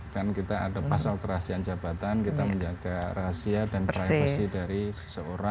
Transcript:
kan kita ada pasal kerahasiaan jabatan kita menjaga rahasia dan privacy dari seseorang